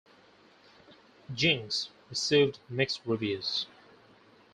"Jinx" received mixed reviews.